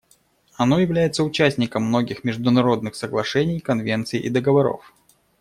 Оно является участником многих международных соглашений, конвенций и договоров.